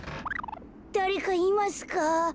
だれかいますか？